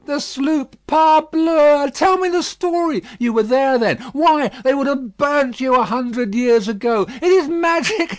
The sloop, parbleu! Tell me the story. You went there, then. Why, they would have burnt you a hundred years ago! It is magic!